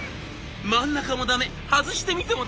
真ん中も駄目外してみても駄目。